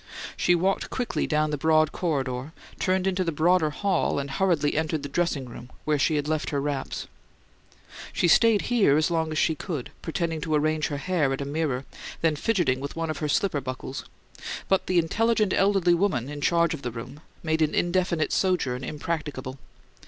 She walked quickly down the broad corridor, turned into the broader hall, and hurriedly entered the dressing room where she had left her wraps. She stayed here as long as she could, pretending to arrange her hair at a mirror, then fidgeting with one of her slipper buckles; but the intelligent elderly woman in charge of the room made an indefinite sojourn impracticable.